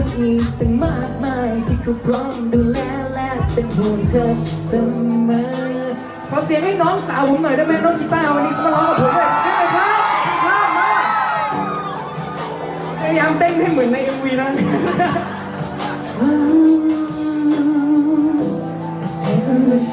แต่มากมายที่ก็พร้อมดูแลและเป็นผู้ชอบต่อมา